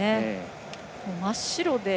真っ白で。